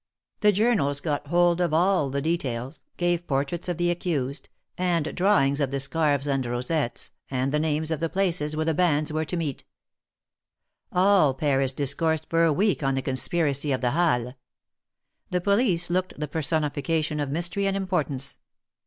The journals got hold of all the details,, gave portraits of the accused, and drawings of the' scarfs and rosettes, and the names of the places where the bands were to meet* All Paris discoursed for a week on the ^ Conspiracy of the Halles." The police looked the personification of mystery and importance*.